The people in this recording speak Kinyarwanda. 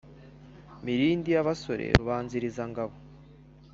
milindi y'abasore, rubanzilizangabo.